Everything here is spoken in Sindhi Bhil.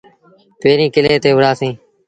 پيريٚݩ ڪلي تي وُهڙآ سيٚݩ۔